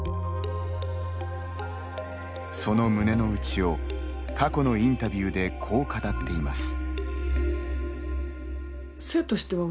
その胸の内を過去のインタビューでこう語っています。